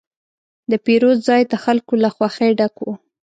د پیرود ځای د خلکو له خوښې ډک و.